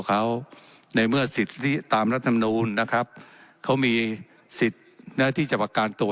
เขาในเมื่อสิทธิตามรัฐมนูลนะครับเขามีสิทธิ์นะที่จะประกันตัว